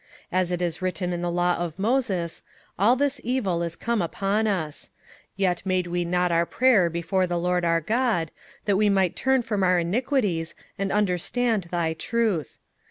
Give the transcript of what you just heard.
27:009:013 As it is written in the law of Moses, all this evil is come upon us: yet made we not our prayer before the LORD our God, that we might turn from our iniquities, and understand thy truth.